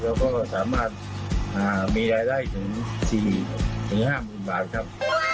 แล้วก็สามารถมีรายได้ถึง๔๕๐๐๐บาทครับ